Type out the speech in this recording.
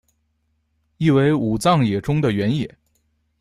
意为武藏野中的原野。